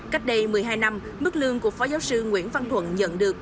cách đây một mươi hai năm mức lương của phó giáo sư nguyễn văn thuận nhận được